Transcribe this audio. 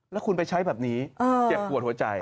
แล้วคุณไปใช้แบบนี้เจ็บปวดหัวใจ